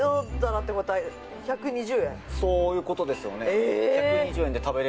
そういうことですよねええ！